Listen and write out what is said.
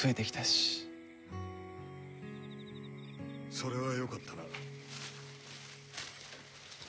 それはよかったな。